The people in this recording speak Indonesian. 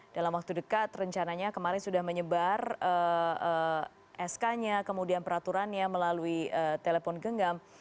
dalam waktu dekat rencananya kemarin sudah menyebar sk nya kemudian peraturannya melalui telepon genggam